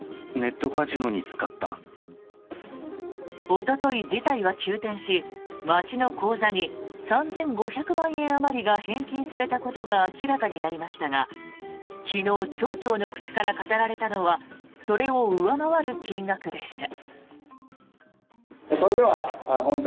おととい、事態は急転し町の口座に３５００万円あまりが返金されたことが明らかになりましたが昨日、町長の口から語られたのはそれを上回る金額でした。